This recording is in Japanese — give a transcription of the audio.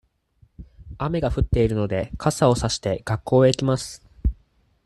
雨が降っているので、傘をさして、学校へ行きます。